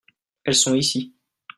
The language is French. elles sont ici.